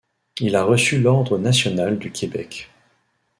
Il a reçu l'Ordre national du Québec.